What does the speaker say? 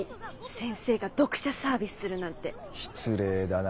先生が読者サービスするなんて。失礼だな。